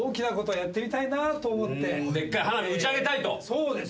そうです。